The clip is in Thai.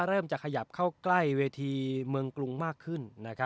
เริ่มจะขยับเข้าใกล้เวทีเมืองกรุงมากขึ้น